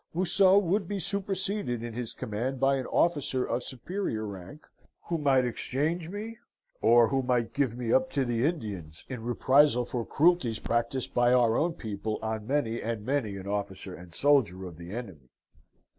Museau would be superseded in his command by an officer of superior rank, who might exchange me, or who might give me up to the Indians in reprisal for cruelties practised by our own people on many and many an officer and soldier of the enemy.